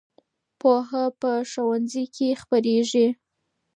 پوهه په ښوونځي کې خپرېږي.